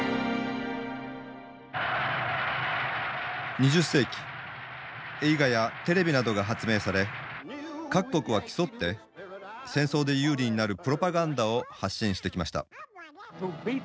２０世紀映画やテレビなどが発明され各国は競って戦争で有利になるプロパガンダを発信してきました。